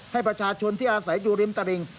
ให้ประชาชนที่อาศัยอยู่ริมตลิ่ง